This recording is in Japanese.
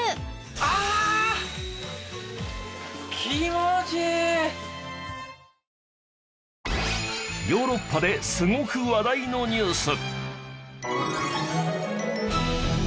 ヨーロッパですごく話題のニュース。